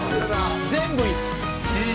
「全部いい」